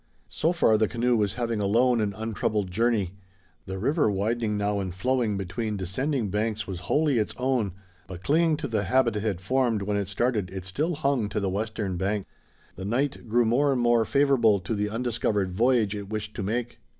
So far the canoe was having a lone and untroubled journey. The river widening now and flowing between descending banks was wholly its own, but clinging to the habit it had formed when it started it still hung to the western bank. The night grew more and more favorable to the undiscovered voyage it wished to make.